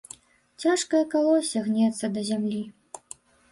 Цяжкае калоссе гнецца да зямлі.